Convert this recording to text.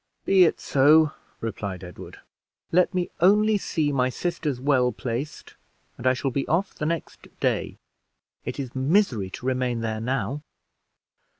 "Be it so," replied Edward; "let me only see my sisters well placed, and I shall be off the next day. It is misery to remain there now."